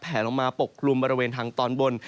ลงมาปกคลุมบริเวณทางตอนบน